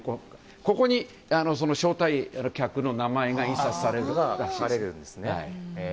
ここに招待客の名前が印刷される。